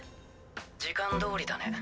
時間どおりだね。